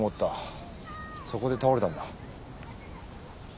そこで倒れたんだ。